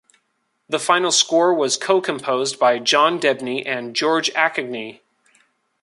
The final score was co-composed by John Debney and George Acogny.